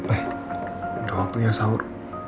eh udah waktunya sahur